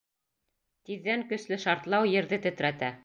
Тиҙҙән көслө шартлау ерҙе тетрәтә.